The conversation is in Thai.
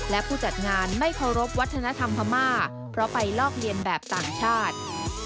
และผู้จัดงานไม่เคารพวัฒนธรรมพม่าเพราะไปลอกเลียนแบบต่างชาติ